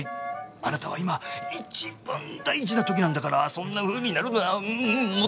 「あなたは今一番大事な時なんだからそんなふうになるのはもったいない」。